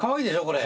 これ。